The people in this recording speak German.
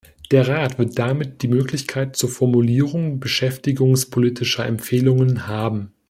Der Rat wird damit die Möglichkeit zur Formulierung beschäftigungspolitischer Empfehlungen haben.